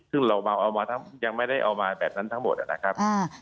ซึ่งเราเอามายังไม่ได้เอามาแบบนั้นทั้งหมดนะครับ